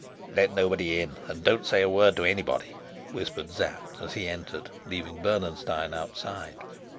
"Let nobody in, and don't say a word to anybody," whispered Sapt, as he entered, leaving Bernenstein outside.